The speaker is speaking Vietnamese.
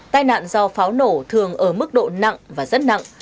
tai nạn do pháo nổ thường ở mức độ nặng và rất nặng